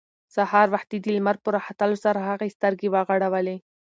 سهار وختي د لمر په راختلو سره هغې سترګې وغړولې.